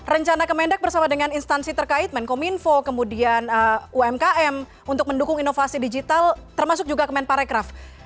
rencana kemendak bersama dengan instansi terkait menkominfo kemudian umkm untuk mendukung inovasi digital termasuk juga kemenparekraf